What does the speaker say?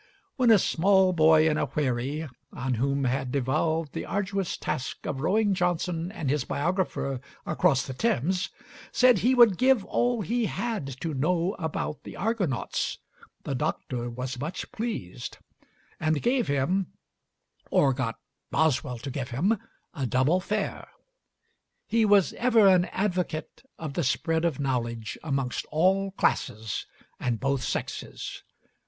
When a small boy in a wherry, on whom had devolved the arduous task of rowing Johnson and his biographer across the Thames, said he would give all he had to know about the Argonauts, the Doctor was much pleased, and gave him, or got Boswell to give him, a double fare. He was ever an advocate of the spread of knowledge amongst all classes and both sexes.